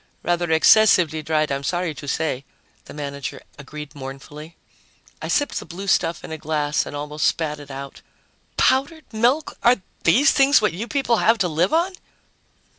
"Rather excessively dried, I'm sorry to say," the manager agreed mournfully. I sipped the blue stuff in a glass and almost spat it out. "Powdered milk! Are these things what you people have to live on?"